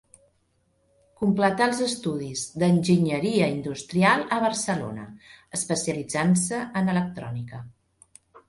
Completà els estudis d'enginyeria industrial a Barcelona, especialitzant-se en electrònica.